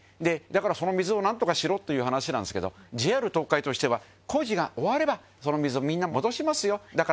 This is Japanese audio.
世その水をなんとかしろという話なんですけど複凖豎い箸靴討工事が終われば修凌紊みんな戻しますよ。